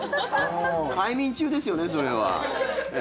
快眠中ですよね、それは。